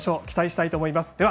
期待したいと思います。